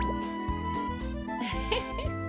ウフフ！